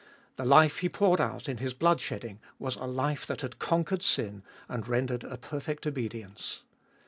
The life He poured out in His blood shedding was a life that had conquered sin, and rendered a perfect obedience.